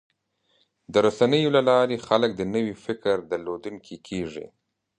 د رسنیو له لارې خلک د نوي فکر درلودونکي کېږي.